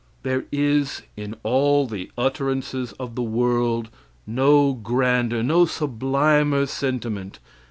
There is in all the utterances of the world no grander, no sublimer sentiment.